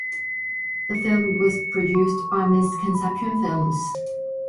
The film was produced by Miss Conception Films.